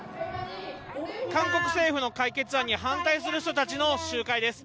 韓国政府の解決案に反対する人たちの集会です。